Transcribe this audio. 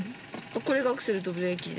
これがアクセルとブレーキで。